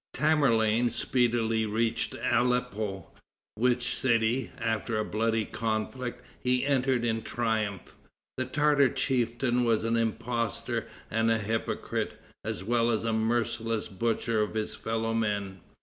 Tamerlane speedily reached Aleppo, which city, after a bloody conflict, he entered in triumph. The Tartar chieftain was an impostor and a hypocrite, as well as a merciless butcher of his fellow men.